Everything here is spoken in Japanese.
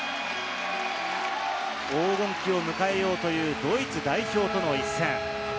黄金期を迎えようというドイツ代表との一戦。